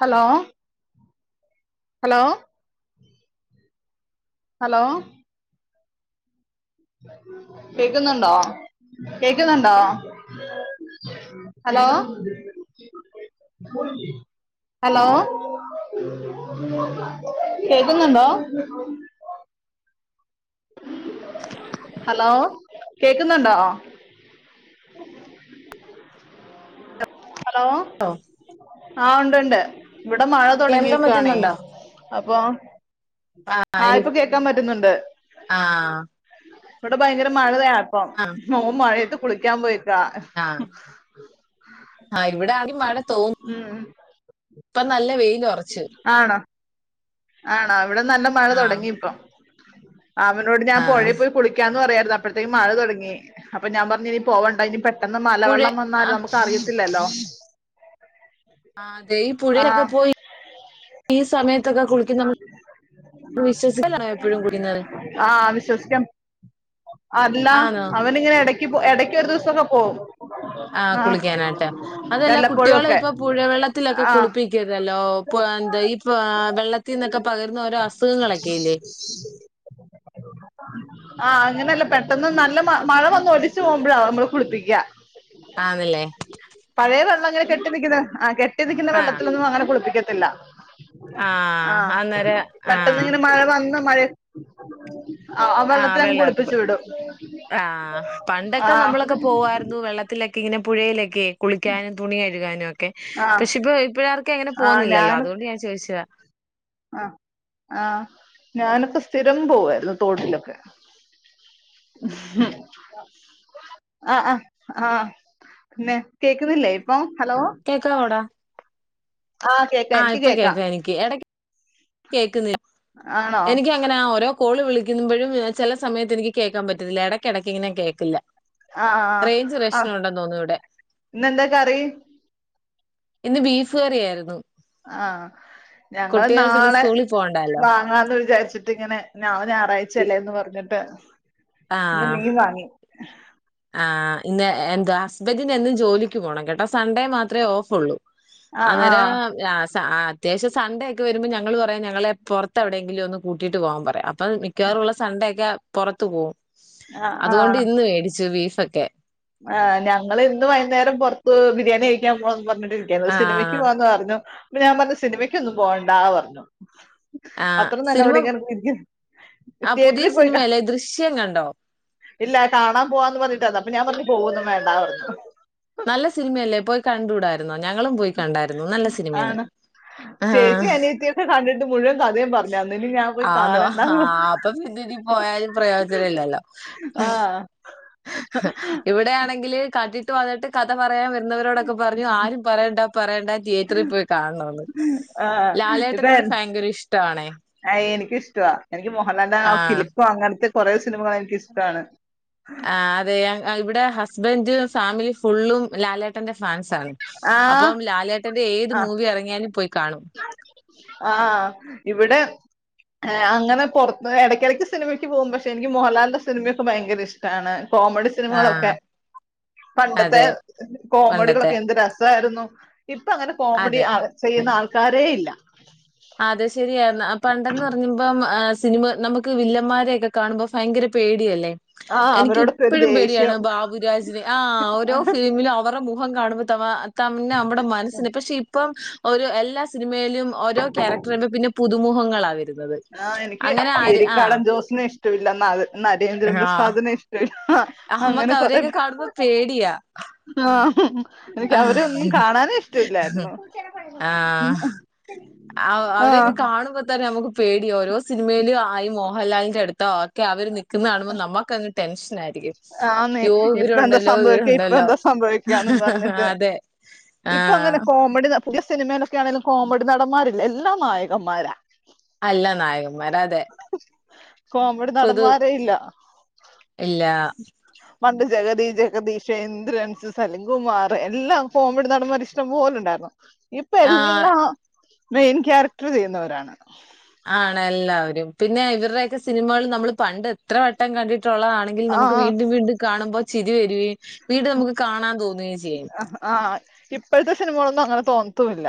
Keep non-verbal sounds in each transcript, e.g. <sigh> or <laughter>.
Hello hello hello കേക്കുന്നുണ്ടോ കേക്കുന്നുണ്ടോ hello hello കേക്കുന്നുണ്ടോ ഹലോ കേക്കുന്നുണ്ടോ ഹലോ ഓ ആഹ ഉണ്ട് ഉണ്ട് ഇവിടെ ആ മഴ കേൾക്കാൻ തൊടങ്ങിയക്കയാണേ പറ്റുന്നുണ്ടോ അപ്പൊ ആ ആയഇപ്പൊ എനിക്ക് കേക്കാൻ പറ്റുന്നുണ്ട് ആ ഇവിടെ ഭയങ്കര ആ മഴാണ് മഴയത്ത്- കുളിക്കാൻ പോയി ആ ആഹ ഇവിടെ മഴ തീർന്നോ ഇപ്പ നല്ല വെ ആണോ ആണോ ഇവിടെ നല്ല മഴ ആ തുടങ്ങിയിപ്പം <inaudible> അവനോട് ഞാൻ ആ പുഴെ പോയി കുളിക്കാന്ന് പറയാം അപ്പോഴത്തേക്ക് മഴ തുടങ്ങി അപ്പൊ ഞാൻ പറഞ്ഞ് ഇനി പോവണ്ട ഇനി പെട്ടെന്ന് പുഴ മലവെള്ളം വന്നാൽ ആ നമുക്ക് അറിയ- ഇല്ലല്ലോ ആ അതെ ഈ പുഴയൊക്കെ പോയി സമയത്തൊക്കെ കുളിക്കുന്ന നമുക്ക് വിശ്വസിക്കലാണോ എപ്പോഴും കുളിക്കുന്നത് ആഹ് വിശ്വസിക്കാം അല്ല ആണോ അവൻ ഇങ്ങനെ ഇടക്ക് പോ ഇടക്ക് ഒരു ദിവസമൊക്കെ പോവും ആ ആഹ് കുളിക്കാനായിട്ട് അതല്ല വല്ലപ്പോഴും കുട്ടികളെ ഒക്കെ ഇപ്പൊ പുഴവെള്ളത്തിലൊക്കെ ആഹ് കുളിപ്പിക്കരുതല്ലോ ഓ പ ഇപ്പൊ വെള്ളത്തിൽ നിന്ന് പകരുന്ന അസുഖങ്ങൾ ഇല്ലേ പെട്ടന്ന് നല്ല മഴ വന്നു ഒളിച്ചുപോകുമ്പോഴാ കുളിപ്പിക്കുക ആണല്ലേ പഴയതൊള്ളങ്ങനെ കെട്ടിനിക്കുന്നാ ആ കെട്ട് ട്ടിനിക്കുന്ന ആ വെള്ളത്തിലൊന്നും അങ്ങന കുളിപ്പി ക്കത്തില്ല ആ അന്നേരം ആ പെട്ടന്ന് ഇങ്ങനെ മഴ വന്നു മഴയ ആ വെള്ളാ <unintelligible> കുളിപ്പിച്ചു വിടും ആഹ്‌ പണ്ടൊക്കെ ആഹ് നമ്മളൊക്കെ പോവാരുന്നു വെള്ളത്തിലെ ക്കിങ്ങനെ പുഴേലൊക്കെയേ കുളിക്കാനും തുണികഴുകാനൊക്കെ ആഹ് പഷേ ഇപ്പൊ ഇപ്പഴർക്കും അങ്ങനെ പോകുന്നില്ലാലോ അതോണ്ട് ഞാൻ ചോദിച്ചതാ ആ ആ ഞാനിപ്പോ സ്ഥിരം പോവാരുന്നു തൊട്ടിലൊക്കെ ആ ആ പിന്നെ കേക്കുന്നില്ലേ ഇപ്പൊ കേക്കാവോ ടാ ആ കേക്കാ എനിക്ക് കേക്കാ കേക്കുന്നി ആണോ കോളു വിളിക്കുന്നുമ്പോഴും ചെല സമയത്ത് എനിക്ക് കേക്കാൻ പറ്റത്തില്ല എടക്ക് എടക്ക്കിങ്ങനെ കേക്കില്ല ആ ആ അവട് ഇവിടെ ഇന്നെന്താ കറി? ഇന്ന് ബീഫ് കറിയായിരുന്നു. ആ ഞങ്ങള് കുട്ടികൾക്ക് ഇന്ന് നാളെ സ്കൂളിൽ പോകണ്ടാലോ വാങ്ങാന്നു വിചാരിച്ചിങ്ങനെ നാളെ ഞായറാഴ്ച്ചയല്ലേ എന്ന് പറഞ്ഞിട്ട് ഇന്ന് ആഹ് മീൻ വാങ്ങി ആഹ് ഇന്ന് എന്തുവാ ഹസ്ബന്റിനെന്നും ജോലിക്ക് പോണം കേട്ടോ സൺ‌ഡേ മാത്രേ ഓഫ്‌ ഒള്ളൂ ആഹ് അന്നേരം ആഹ് ലാസ് ആ ആ അത്യാവശ്യം സൺ‌ഡേ ഒക്കെ വരുമ്പോ ഞങ്ങള് പറയും ഞങ്ങളെ പൊറത്തെവിടെയെങ്കിലും ഒന്ന് കൂട്ടിട്ട് പോവാൻ പറയും അപ് പ്പോ മിക്കവാറുള്ള സൺ‌ഡേ ഒക്കെ പൊറത്ത് പോവും. അതു കൊണ്ട് ഇന്ന് വേടിച്ച് ച്ചു ബീഫ്ഒക്കെ ആ ഞങ്ങൾ ഇന്ന് വൈന്നേരം പൊറത്തു ബിരിയാണി കഴിക്കാൻ പോണെന്ന് പറഞ്ഞ് ട്ടിരിക്കാ ഒരു സിനിമക്ക് ആഹ് പോവാന്നു പറഞ്ഞു അപ്പൊ ഞാൻ പറഞ്ഞു സിനിമക്കൊന്നും പോകണ്ടാ പറഞ്ഞു. ആഹ് അത്ര സിനിമ <unintelligible> ആ പുതിയ തിയേറ്ററി പോയി കാ സിനിമയല്ലേ ദൃശ്യം കണ്ടോ ഇല്ല അത് കാണാൻ പോവാന്നും പറഞ്ഞിട്ടായിരുന്നു അപ്പൊ ഞാൻ പറഞ്ഞു പോവൊന്നും വേണ്ടാന്ന് പറഞ്ഞു. നല്ല സിനിമയല്ലേ പോയി കണ്ടൂടാര് ന്നോ. ഞങ്ങളും പോയി കണ്ടാരുന്നു. നല്ല സിനിമയാണ്. ആണ് ആഹ ചേച്ചി അനിയത്തിയൊക്കെ കണ്ടിട്ട് മുഴുവൻ കഥയും പറഞ്ഞായിരുന്നു ഇനി ഞാൻ പോയി ആന്നോ ഹാ കാണണ്ടാന്ന് പറഞ്ഞു അപ്പൊ ഇന്നിനി പോയാലും പ്രേയോജനം ഇല്ലല്ലോ ആഹ് ഇവിടെയാണെങ്കില് കണ്ടി ട്ട് വന്നിട്ട് കഥ പറയാൻ വ വന്നവരോടൊക്കെ പറഞ്ഞു ആരും പറയണ്ടാ പറയണ്ടാ റ്റിയറ്ററി പോയി കാണണമെന്ന് ആഹ് ഇപ്പൊ ലാലേട്ടനോട് ആഹ് ഭയങ്കര ഇഷ്ടവാണേ എനിക്കിഷ്ടവാ എനിക്ക് മോഹൻലാലിന്റെ ആ ആഹ കിലുക്കം അങ്ങനത്തെ കൊറേ സിനിമകളെനിക്ക് ഇഷ്ടാണ് ആഹ അതെ അങ്ങ് അ ഇവിടെ ഹസ് സ്ബെന്റും ഫാമിലി ഫുള്ളും ലാലേ ട്ടന്റെ ഫാൻസാണ് ആഹ് അപ്പോം ലാലേട്ടൻ ന്റെ ഏത് മൂവി ഇറങ്ങിയാലും പോയി കാണും. ആ ഇവിടെ ആ അങ്ങനെ പൊറത്ത് പോയി ഇടക്കെടക്ക് സിനിമക്ക്‌ പോകും പക്ഷെ എനിക്ക് മോഹൻലാലിന്റെ സിനിമയൊക്ക ഭയങ്കര ഇഷ്ട്ടാണ് കോമഡി സിനിമകളൊക്ക ആഹ് പണ്ടത്തെ അതെ പണ്ടത്തെ. കോമഡികളൊക്കെ എന്ത് രസായിരു ഓ ഇപ്പങ്ങനെ കോമഡി അതെ. ആൾ ചെയ്യുന്ന ആൾ ക്കാരേയില്ല. ആദസ് ചിരിയായിർന്നു അ പണ്ടന്ന് പറയുമ്പോ ആ സിനിമ നമുക്ക് വില്ലമ്മാരെ ഒക്കെ കാണുമ്പോ ഭയങ്കര പേടിയല്ലേ ആ എനിക്ക് അവരോടൊക്കെ ഒരു ഇപ്പഴും ദേഷ്യം പേടിയാണ് ബാബുരാജിനെ ആ ഓരോ ഫിലിമിലും അവറെ മുഖം കാണുമ്പ ഥവാ അ തംന്ന അമ്മടെ മനസ്സിന് ഇപ്പം പക്ഷെ ഇപ്പം ഒരു എല്ലാ സിമയിലും ഓരോ ക്യാരക്റ്റർ വരുമ്പോ പിന്നെ പുതുമുഖങ്ങളാ വരു ആഹ എനിക്ക് കീരിക്കാടൻ ജോസിനെ ഇഷ്ടവില്ല ഒന്നത്. നരേന്ദ്ര പ്രെസാദിനെ ഇഷ്ട അഹ്മക്ക് അവരെ ഒക്കെ കാണുമ്പോ പേടിയാ ആ എനിക്ക് ആഹ് അവരെ ഒന്നും കാണാനേ ഇഷ്ടവല്ലായിരുന്നു ഉം- ഉം അവ അവരെ ഒക്കെ കാണുമ്പോ തന്ന ന്നെ നമുക്ക് പേടിയാവും ഓരോ സിനിമയിലും ആ ഈ മോഹൻലാലിന്റെ അടുത്ത ക്കെ അവര് നി ത്ത്ന്ന്‌ കാണുമ്പോ നമ്മുക്കങ്ങ ടെൻഷനായി ആന്നേ ഇപ്പെന്താ സംഭവിക്കാ ഇവരുണ്ടല്ലോ ഇപ്പെന്താ സംഭവിക്കാന്നും പറഞ്ഞിട്ട് അതെ ഇപ്പൊ ആഹ് അങ്ങനെ കോമഡി പുതിയ സിനിമേലൊക്കെയാണേലും കോമഡി നടന്മാരില്ല എല്ലാം നായകമ്മാര അല്ല നായക കോമഡി പൊതു നടന്മാരേയില്ല ഇല്ല. പണ്ട് ജഗതി, ജഗതീഷ്, ഇന്ദ്രൻസ്, സലീംകുമാറ്, എല്ലാം കോമഡിനടന്മാര് ഇഷ്ട്ടം പോലുണ്ടാരുന്നു. ഇപ്പ ആ എല്ലാം മെയിൻ ക്യാരക്റ്ററ് ചെയ്യുന്നവരാണ് ആണെല്ലാവരും പിന്നെ ഇവർടെയൊക്കെ സിനിമകള് നമ്മള് പണ്ട് എത്രവട്ടം കണ്ടി ട്ടൊള്ളതാണെങ്കിലും ആ നമുക്ക് വീണ്ടും വീണ്ടും കാണുമ്പോ ചിരിവരുവേം വീണ്ടും നമ്മുക്ക് കാണാൻ തോന്നുവേം ചെ അ ആ ഇപ്പഴത്തെ സിനിമകളൊന്നു അ ങ്ങനെ തോന്നത്തുവില്ല.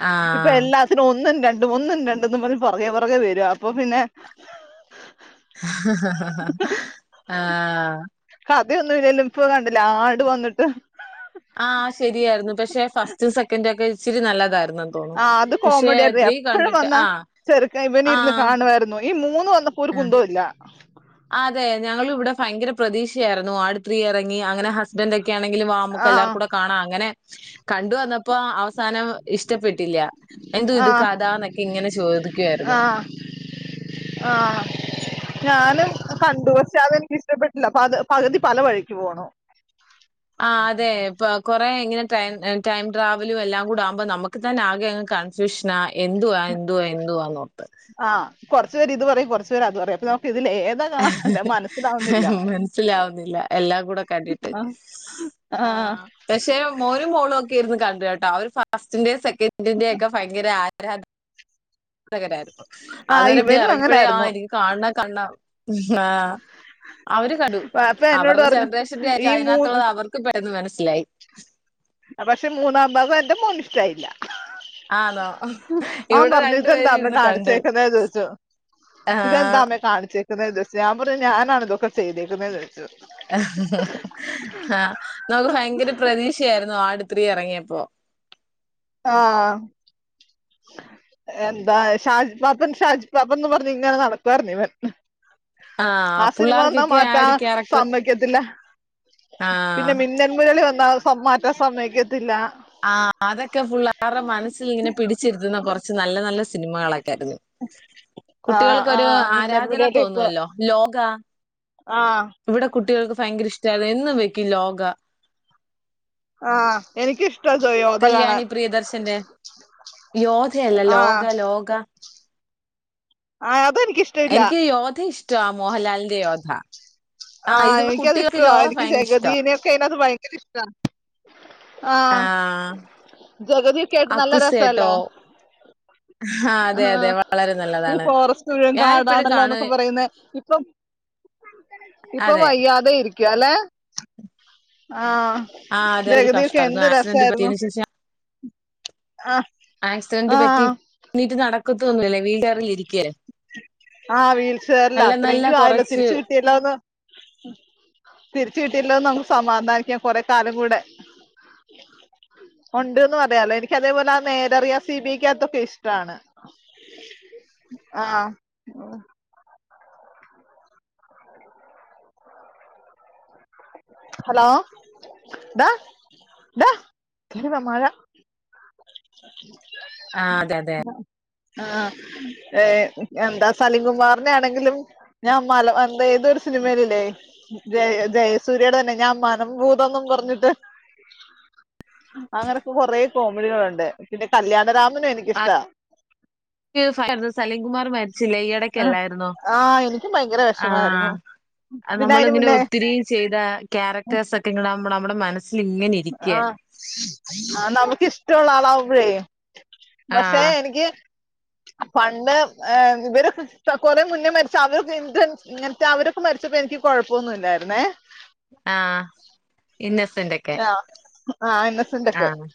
ആ. ഇപ്പ എല്ലാത്തിനും ഒന്നും ര ണ്ടും ഒന്നും രണ്ടെന്നും പറഞ്ഞ് പൊറകേ പൊറകേ വരുവാ അപ്പ പിന്നെ ഹ ആഹ് തി ഒന്നുല്ലേലും ഇപ്പ കണ്ടില്ലേ ആട് വന്നിട്ട്.. ആ ശരിയായിരുന്നു പഷേ ഫസ്റ്റും സെക്കന്റുവൊക്കെ ഇച്ചിരി നല്ലതായ് ആ അതു കോമഡിയാരുന്നു. എപ്പഴും വന്നാ ആ. ചെറ്ക്കൻ ആ. ഇവനിരുന്ന് കാണുവാരുന്നു. ഈ മൂന്നു വന്നപ്പം ഒരു ആ. കുന്തോം ഇല്ല. അതെ ഞങ്ങളിവിടെ ഭയങ്കര പ്രതീഷയായിരുന്നു ആട് ത്രീ എറ ങ്ങി അങ്ങനെ ഹസ്‌ബെന്റൊക്കെയാന്നെങ്കിലും വാ ആ നമുക്കെല്ലാവർക്കും കൂടെ കാണാം അങ്ങനെ കണ്ടു വന്നപ്പോ അവസ് സാനം ഇഷ്ടപ്പെട്ടില്ല. എന്തോ ആ ഇത് കഥാന്നൊക്കെ ഇങ്ങനെ ആ ചോദിക്കുവായിരുന്നു. ആ ഞാനും കണ്ടു. പക്ഷെ അതെനിക്കിഷ്ട്ടപ്പെട്ടില്ല. പത് പകുതി പല വഴിക്കു പോണു. ആ അതെ പ കൊറേ ഇങ്ങനെ റ്റെം ടൈം ട്രാവലും എല്ലാം കൂടാവുമ്പം നമ്മുക്ക് തന്നെ ആകെ അങ്ങ് കൺഫ്യൂഷനാ എന്തുവാ എന്തുവാ എന്തുവാന്നോ ആ കൊറച്ചുപേരിതു പറയും, കൊറച്ചുപേരതുപറയും, അപ്പൊ നമുക്കി മനസ്സിലാവുന്നില്ല. എല്ലാംകൂടെ കണ്ടിട്ട് ആ ആ പഷേ മോനും മോളും ഒക്കെ ഇരുന്നു ക <unintelligible> രേട്ടാ അവര് ഫാസ്ച്ചഞ്ചേഴ്സ് <unintelligible> <unintelligible> ഫയങ്കര ആരാ രാധ കനായിരുന്നു. <unintelligible> ആ അത് ഇവനും ഇറങ്ങിയപ്പോ അങ്ങനായിരുന്നു എനിക്ക് കാണാ - <unintelligible> ആ അവര് കടു <unintelligible> അപ്പൊ എന്നോട് അവരുടെ പറഞ്ഞു നിർദ്ദേശ ഈ മൂന്ന് <unintelligible> പെട്ടന്ന് മനസ്സിലായി പക്ഷെ മൂന്നാം ഭാഗം എന്റെ മോൻ ഇഷ്ട്ടായില്ല ആന്നോ അവൻ ഇവിടെ പറഞ്ഞു ഇതെന്താ രണ്ടുപേരും അമ്മേ ഇരുന്ന് കണ്ടു കാണിച്ചേക്കുന്ന ചോദിച്ചു. ആ ഞാൻ പറഞ്ഞു ഞാനാണോ ഇതൊക്കെ ചെയ്തേക്കുന്നെ ചോദിച്ചു ആ ഭയങ്കര പ്രതീക്ഷ ആയിരുന്നു ആട് ത്രീ എറങ്ങിയപ്പോ ആ എന്താഷജുപാപ്പൻ ഷാജുപാപ്പൻ ന്ന് പറഞ്ഞു നടക്കുവായിരുന്നു ഇവൻ ആ സിനിമ വന്നാൽ പിള്ളേർക്കൊക്കെ ആ ഒരു മാറ്റാൻ ക്യാരക്ടർ സമ്മതിക്കത്തില്ല ആ പിന്നെ മിന്നൽ മുരളി വന്ന- പ്പൊ മാറ്റാൻ സമ്മയ്ക്കാതില്ല ആ അതൊക്കെ ഫുൾ അവരെ മനസ്സിൽ ങ്ങനെ കുന്ന കുറച്ചു നല്ലനല്ല സിനിമ കൾ ആയിരിക്കും ഇത് ആ ആ കുട്ടികൾക്കൊരു മിന്നൽ ആരാധന മുരളി ഇപ്പൊ <unintelligible> ആ ഇവിടെ കുട്ടികൾക്ക് ഭയങ്കര ഇഷ്ട്ടത് എന്നും വെക്കും യോഗ ആ എനിക്കിഷ്ടാ ജോയോധ കാണാൻ കല്യാണി പ്രിയദർശന്റ യോദ്ധ അല്ല ആ ലോക ആ അത് എനിക്ക് യോദ്ധ ഇഷ് മോഹൻലാലിൻറെ യോദ്ധ ആ എനിക്ക് അത് ഇഷ്ട്ട ഭയങ്കര ജഗതി ഇഷ്ടമാ നെ ക്ക് ഭയങ്കര- ഭയങ്കര ഇഷ്ട്ട ആ ജഗതി യൊക്കെ ആയിട്ട് നല്ല രസല്ലേ അക്കുസേട്ടോ ആ അതെ അതെ വളരെ ഈ നല്ലതാണ് ഫോറെസ്റ്റ് മുഴുവൻ ഞാനിപ്പോഴും കാണു കാടാനല്ലേന്നൊക്കെ പറയുന്നേ ഇപ്പോ അതെ വയ്യാതായി <unintelligible> ആ അതെ കഷ്ടം എന്ത് ആക്‌സിഡന്റ് രസായിരുന്നു പറ്റിയതിനു ശേഷം ആഹ് ആഹ് എണീറ്റു നടക്കുവോ? കിട്ടോന്നില്ല വീണ്ടെറങ്ങിയിരിക്ക് ആ വീൽചെയറിലാ അത്രെങ്കിലും ആയല്ലോ കുറച്ച് തിരിച്ച് കിട്ടിയല്ലോന്ന് തിരിച്ച് കിട്ടിയെല്ലോന്നങ്ങ് സമാധാനിക്കാം കൊറെ കാലം കൂടെ ഒണ്ട് ന്ന് പറയാല്ലോ എനിക്ക് അതെ പോലെ നേരറിയാൻ സി ബി അയ് ക്കത്തൊക്കെ ഇഷ്ട്ടാണ് ആ ഹലോ ടാ ട കേറി വാ മഴ ആ അതെ അതെ ആ എന്താ സലീംകുമാർനെ ആണെങ്കിലും ഞാൻ മലവർണെ ഏതോര് സിനിമയിലില്ലെ ജയ ജയസൂ എന്നോട് തന്നെ. ഞാൻ മനപ്പൂർവന്ന് പറഞ്ഞിട്ട്. അങ്ങനൊക്കെ കൊറേ കോമഡികളുണ്ട്. പിന്നെ കല്യാണ രാമ അ പിറ്റെസായിരുന്നു സലികുമാറ് മെ ര് ആഹ് ചിലൈടക്കല്ലായിരുന്നോ. ആഹ് എനിക്കും ഭയങ്കര ആ വിഷമായിരുന്നു പിന്നെ അയിന് നമ്മളിങ്ങനെ മുന്നേ ഒത്തിരി ചെയ്ത ക്യാരക്ടേഴ്സ് ഒക്കെ ഇങ്ങന നമ്മള് നമ്മടെ മനസ്സ് ആ. ആ. നമുക്ക് ഇഷ്ടൊള്ളാളാവുമ്പ ളേയ് പക്ഷെ ആഹ് എനിക്ക് പണ്ട്. ഏ ഇവരൊക്കെ കൊറെ മുന്നേ മരിച്ച അവരൊക്കെ എന്ത് ഇങ്ങൻ ത്തെ അവരൊക്കെ മരിച്ചപ്പോ എനിക്ക് കൊഴപ്പൊന്നു ഇല്ലായിരുന്നേ. ആ ഇന്നസെ ആ. ആ ഇപ്പെന്തെക്കെ ആഹ്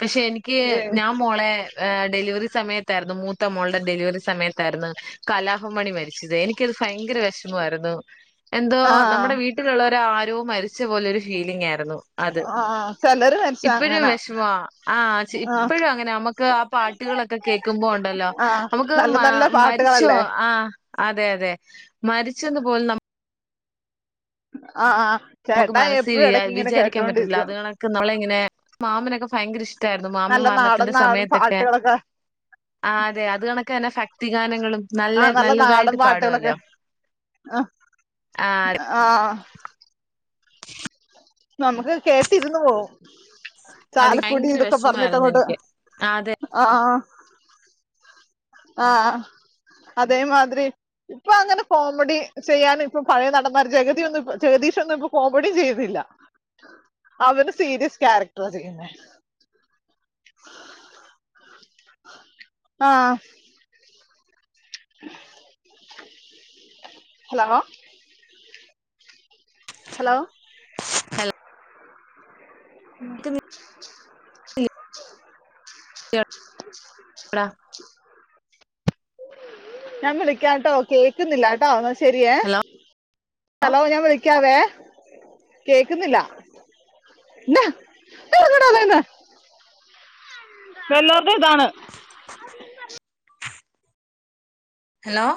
പക്ഷെ എനിക്ക് ഞാൻ മോളെ ഏ ഡെലിവറി സമയത്തായിരുന്നു മൂത്ത മോളുടെ ഡെലിവറി സമയത്തായിരുന്നു കലാഫ മണി മരിച്ചത്. എനിക്കത് ഫയങ്കര വെഷമമായിരുന്നു. എന്തോ ആഹ് നമ്മുടെ വീട്ടിലുള്ളവർ എൻ്റെ ആരോ മരിച്ച പോലൊ ഒരു ഫീലിംഗ് ആയിരുന്നു. അത് ആ ആ. ചെലര് മരിച്ച ഇപ്പഴും അങ്ങനാ വെഷമാ. ആ. ച്ച് ആഹ് ഇപ്പോഴും അങ്ങനെ. നമ്മക്ക് ആ പാട്ടുകളൊക്കെ കേക്കുമ്പോ ണ്ടല്ലോ ആഹ് നമക്ക് നല്ല മ നല്ല മരിച്ചോ പാട്ടുകളല്ലേ ആ അതെ അതെ. മരിച്ചെന്ന് പോലും നമു അ ആ നമുക്ക് മനസ്സിൽ വിചാരിക്കാൻ പറ്റില്ല. അത കണക്ക് നമ്മളെങ്ങനെ മാമനെൊക്കെ ഭയങ്കര ഇഷ്ട ടായിരുന്നു മാമ നല്ല നാടൻ മരണത്തിന്റെ നാടൻ സമയത്തൊക്കെ പാട്ടുകളൊക്കെ ആ അതെ അത് കണക്കന്നെ ആ. നല്ല നാടൻ പാട്ടുകളൊക്കെ. പാടുവല്ലോ. അ. ആ അത് ആ. നമുക്ക് കേട്ടിരുന്ന് പോവും. പാടി ചാലക്കുടി ഭയങ്കര ഇതൊക്കെ വെഷമായിരുന്നു പറഞ്ഞിട്ടങ്ങോട്ട്. എനിക്ക്. ആ അതെ ആ. ആ. അതേമാതിരി ഇപ്പൊ അങ്ങനെ കോമഡി ചെയ്യാന ഇപ്പൊ പഴയ നടന്മാര് ജഗതിയൊന്നും ജഗദീഷ് ഒന്നും ഇപ്പൊ കോമഡിയും ചെയുന്നില്ല. അവര് സീരിയസ് ക്യാരക്ടറ ചെയ്യുന്നേ. ആ. ഹലോ ഹലോ ഹലോ മ്മ് കേക്കുന്നില്ലേടാ <unintelligible> <unintelligible> വ്ടാ ഞാൻ വിളിക്കാട്ടോ കേക്ക്ന്നില്ലാട്ടോ ന്നശെ ശരിയേ ഹലോ ഹലോ ഞാൻ വിളിക്കാവേ കേക്ക്ന്നില്ല വെല്ലോർടെ ഇതാണ് <unintelligible> ഹെലോ